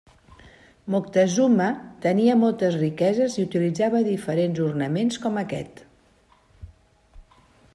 Moctezuma tenia moltes riqueses i utilitzava diferents ornaments com aquest.